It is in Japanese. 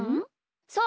そう！